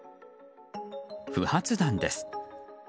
不発弾です。